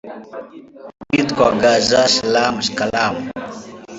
i witwaga Jean Schramme Shikaramu